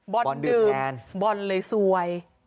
บอลดื่มบอลเลยซวย